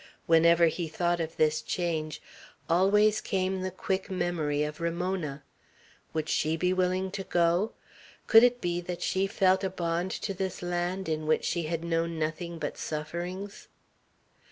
Whenever he thought of this change, always came the quick memory of Ramona. Would she be willing to go? Could it be that she felt a bond to this land, in which she had known nothing but sufferings.